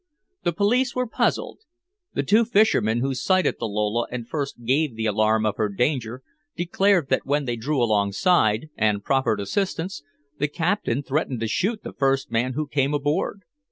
The police were puzzled. The two fishermen who sighted the Lola and first gave the alarm of her danger, declared that when they drew alongside and proffered assistance the captain threatened to shoot the first man who came aboard.